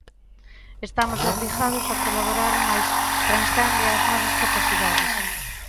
Estamos obrigados a colaborar, mais transcende as nosas capacidades.